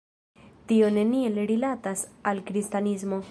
Tio neniel rilatas al kristanismo.